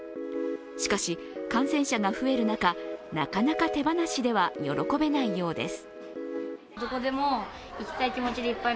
しかし、感染者が増える中、なかなか手放しでは喜べないようです。